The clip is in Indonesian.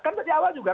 kan tadi awal juga